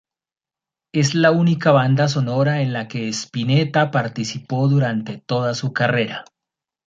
Es la única banda sonora en la que Spinetta participó durante toda su carrera.